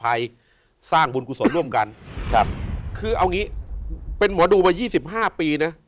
อภัยสร้างบุญกุศล่วมกันคือเอาอย่างนี้เป็นหมอดูมา๒๕ปีนะ